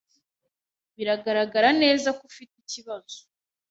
Biragaragara neza ko ufite ikibazo.